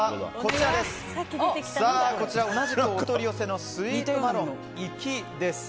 同じくお取り寄せのスイートマロン粋です。